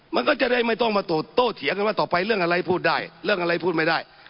มันก็จะได้ไม่ต้องมาโต้เถียงกันว่าต่อไปเรื่องอะไรพูดได้เรื่องอะไรพูดไม่ได้